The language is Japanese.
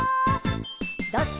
「どっち？」